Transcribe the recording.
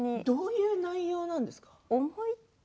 どういう内容なんですか？